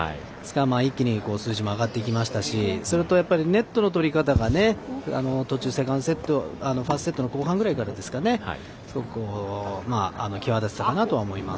一気に数字も上がってきましたしそれと、ネットの取り方が途中、ファーストセットの後半くらいからですかねすごく際立ってたかなとは思います。